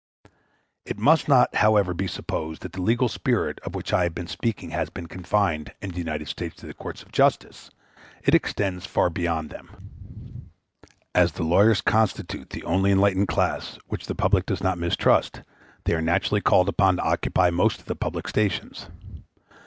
a [ See chapter VI. on the "Judicial Power in the United States."] It must not, however, be supposed that the legal spirit of which I have been speaking has been confined, in the United States, to the courts of justice; it extends far beyond them. As the lawyers constitute the only enlightened class which the people does not mistrust, they are naturally called upon to occupy most of the public stations.